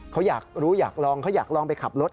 เขาอยากรู้อยากลองเขาอยากลองไปขับรถ